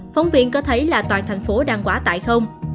phóng viên có thấy là toàn thành phố đang quá tải không